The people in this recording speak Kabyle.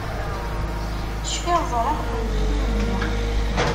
Cfiɣ ẓriɣ-kent ilindi.